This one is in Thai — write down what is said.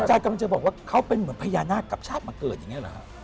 กำลังจะบอกว่าเขาเป็นเหมือนพญานาคกับชาติมาเกิดอย่างนี้เหรอฮะ